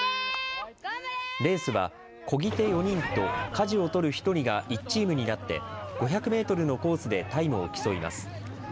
レースはこぎ手４人とかじを取る１人が１チームになって５００メートルのコースでタイムを競います。